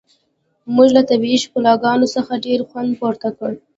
موږ له طبیعي ښکلاګانو څخه ډیر خوند پورته کړ